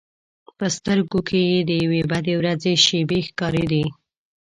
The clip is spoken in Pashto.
په سترګو کې یې د یوې بدې ورځې شېبې ښکارېدې.